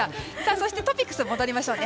そしてトピックスに戻りましょう。